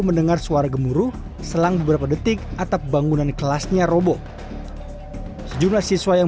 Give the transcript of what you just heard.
mendengar suara gemuruh selang beberapa detik atap bangunan kelasnya robo sejumlah siswa yang